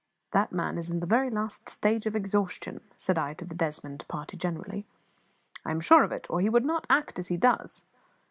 "That man is in the very last stage of exhaustion," said I to the Desmond party generally; "I am sure of it, or he would not act as he does.